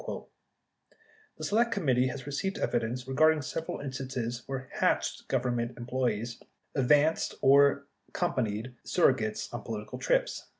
The Select Committee has received evidence regarding several in stances where "Hatched" Government employees advanced for or accompanied surrogates on political trips.